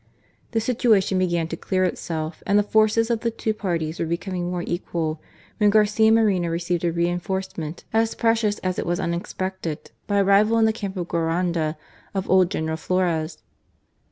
The situation began to clear itself, and the forces of the two parties were becoming more equal, when Garcia Moreno received a reinforcement as precious 94 GARCIA MORENO. as it was unexpected by the arrival in the camp of Guaranda of old General Flores.